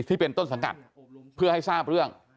ที่เป็นต้นสังกัดเพื่อให้ทราบเรื่อง